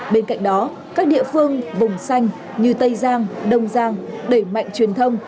bên cạnh đó các địa phương vùng xanh như tây giang đông giang đẩy mạnh truyền thông